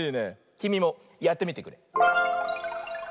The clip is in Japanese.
きみもやってみてくれ。